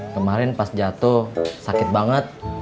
kemarin pas jatuh sakit banget